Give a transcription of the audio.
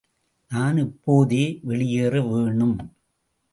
நான் இப்போதே வெளியேற வேணும்.